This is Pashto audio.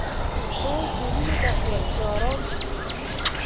ټول کورونو ته شول چې ارام شي.